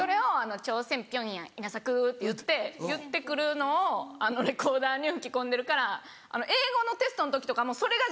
朝鮮平壌稲作」っていって言って来るのをレコーダーに吹き込んでるから英語のテストの時とかもそれがずっと流れて。